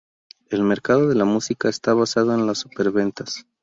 El mercado de la música está basado en los superventas